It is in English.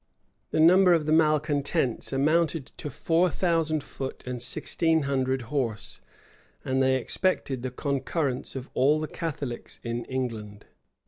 [*] The number of the malecontents amounted to four thousand foot and sixteen hundred horse; and they expected the concurrence of all the Catholics in England.